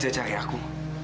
kamu sengaja cari aku